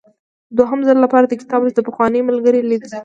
د دوهم ځل لپاره د کتاب لوستل د پخواني ملګري لیدل دي.